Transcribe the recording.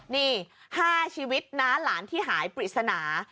นี่๕ชีวิตน้าหลานที่หายปริศนา